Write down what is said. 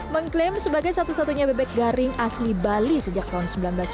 mengklaim sebagai satu satunya bebek garing asli bali sejak tahun seribu sembilan ratus sembilan puluh